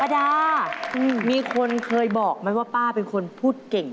ดามีคนเคยบอกไหมว่าป้าเป็นคนพูดเก่ง